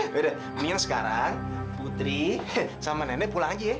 yaudah ini yang sekarang putri sama nenek pulang aja ya